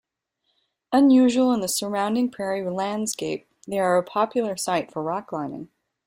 Unusual in the surrounding prairie landscape, they are a popular site for rock climbing.